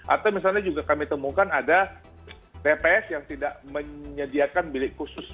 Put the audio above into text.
atau misalnya juga kami temukan ada tps yang tidak menyediakan bilik khusus